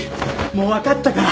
もう分かったから！